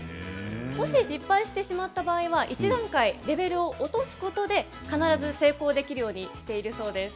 もし失敗してしまった場合は１段階レベルを落とすことで必ず成功できるようにしているそうです。